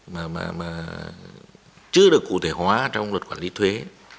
mà mà mà chưa được cụ thể hóa trong luật quản lý thuế